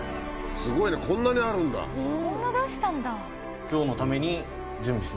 すごいねこんな出したんだ。